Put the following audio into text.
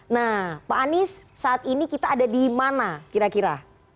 nah pak anies saat ini kita ada di mana kira kira